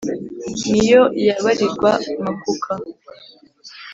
Ni yo yabarirwa Makuka